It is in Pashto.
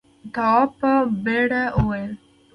تواب په بېره وویل.